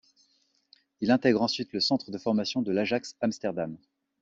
Il intègre ensuite le centre de formation de l'Ajax Amsterdam.